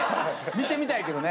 見てみたいけどね。